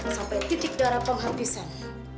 sampai titik darah penghabisan